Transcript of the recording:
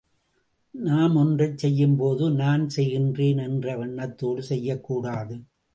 நாம் ஒன்றைச் செய்யும்போது, நான் செய்கின்றேன் என்ற எண்ணத்தோடு செய்யக்கூடாது.